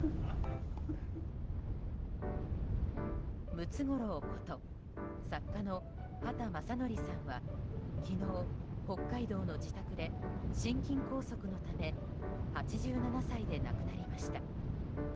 ムツゴロウこと作家の畑正憲さんは昨日、北海道の自宅で心筋梗塞のため８７歳で亡くなりました。